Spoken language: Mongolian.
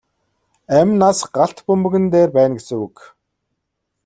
Амь нас галт бөмбөгөн дээр байна гэсэн үг.